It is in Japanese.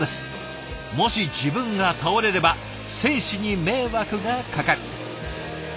もし自分が倒れれば選手に迷惑がかかる。